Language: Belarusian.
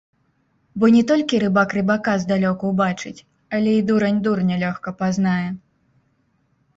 Бо не толькі рыбак рыбака здалёку бачыць, але і дурань дурня лёгка пазнае.